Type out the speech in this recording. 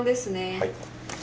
はい。